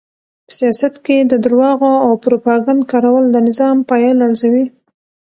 په سیاست کې د درواغو او پروپاګند کارول د نظام پایه لړزوي.